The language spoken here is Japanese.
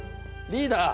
リーダー！